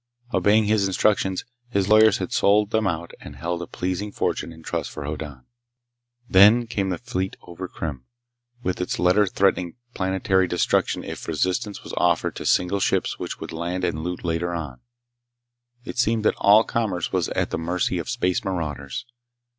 Obeying his instructions, his lawyers had sold them out and held a pleasing fortune in trust for Hoddan. Then came the fleet over Krim, with its letter threatening planetary destruction if resistance was offered to single ships which would land and loot later on. It seemed that all commerce was at the mercy of space marauders.